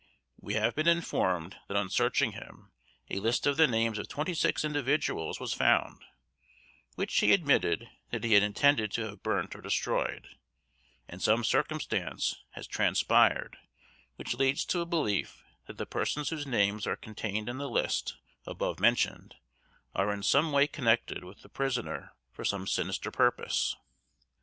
We have been informed that on searching him a list of the names of twenty six individuals was found, which he admitted that he had intended to have burnt or destroyed, and some circumstance has transpired which leads to a belief that the persons whose names are contained in the list above mentioned are in some way connected with the prisoner for some sinister purpose.